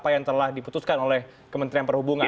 apa yang telah diputuskan oleh kementerian perhubungan